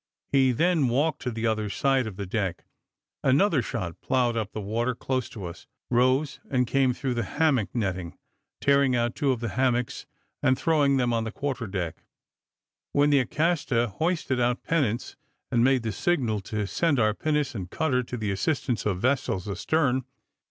He then walked to the other side of the deck. Another shot ploughed up the water close to us, rose, and came through the hammock netting, tearing out two of the hammocks, and throwing them on the quarter deck, when the Acasta hoisted out pennants, and made the signal to send our pinnace and cutter to the assistance of vessels astern.